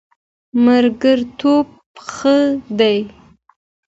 ملګرتوب ښه دی.